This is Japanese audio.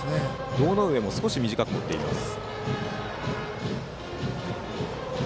堂上も少し短く持っています。